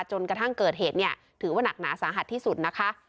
จนกระทั่งเกิดเหตุเนี่ยถือว่าหนักหนาสาหัสที่สุดนะคะ